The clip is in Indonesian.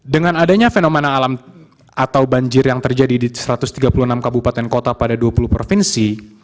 dengan adanya fenomena alam atau banjir yang terjadi di satu ratus tiga puluh enam kabupaten kota pada dua puluh provinsi